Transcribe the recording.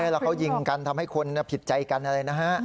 แล้วเขายิงกันทำให้คนผิดใจกันอะไรนะฮะ